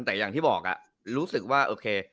แต่อย่างที่บอกรู้สึกว่าโอเค